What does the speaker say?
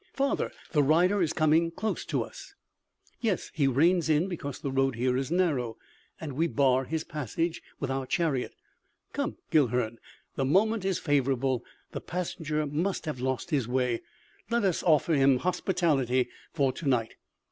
"Father, the rider is coming close to us!" "Yes, he reins in because the road is here narrow, and we bar his passage with our chariot. Come, Guilhern, the moment is favorable; the passenger must have lost his way; let us offer him hospitality for to night.